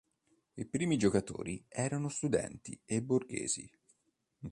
I primi giocatori erano studenti e borghesi.